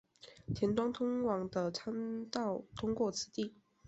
田端通往的参道通过此地。